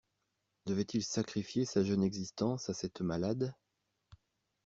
Devait-il sacrifier sa jeune existence à cette malade.